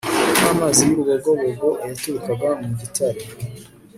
namazi yurubogobogo yaturukaga mu gitare